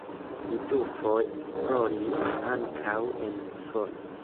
Li dufoje esploris ankaŭ en Usono.